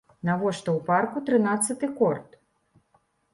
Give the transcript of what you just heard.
Навошта ў парку трынаццаты корт?